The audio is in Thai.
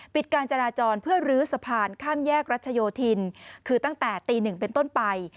การจราจรเพื่อลื้อสะพานข้ามแยกรัชโยธินคือตั้งแต่ตีหนึ่งเป็นต้นไป